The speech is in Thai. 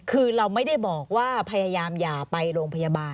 คือเราไม่ได้บอกว่าพยายามอย่าไปโรงพยาบาล